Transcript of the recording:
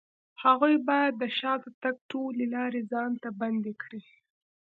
هغوی بايد د شاته تګ ټولې لارې ځان ته بندې کړي.